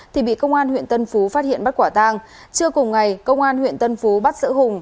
thì bị công an huyện tân phú phát hiện bắt quả tàng chưa cùng ngày công an huyện tân phú bắt sợ hùng